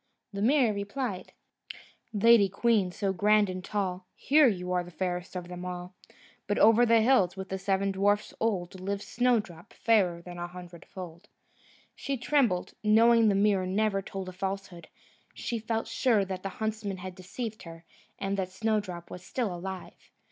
The mirror replied: "Lady queen, so grand and tall, Here, you are fairest of them all: But over the hills, with the seven dwarfs old, Lives Snowdrop, fairer a hundredfold." She trembled, knowing the mirror never told a falsehood; she felt sure that the huntsman had deceived her, and that Snowdrop was still alive.